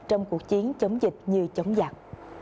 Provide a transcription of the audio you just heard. trong cuộc chiến chống dịch như chống giặc